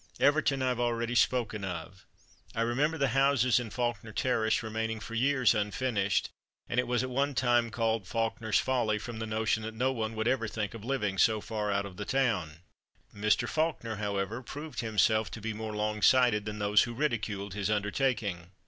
Everton I have already spoken of. I remember the houses in Faulkner terrace remaining for years unfinished, and it was at one time called "Faulkner's Folly," from the notion that no one would ever think of living so far out of the town. Mr. Faulkner, however, proved himself to be more long sighted than those who ridiculed his undertaking.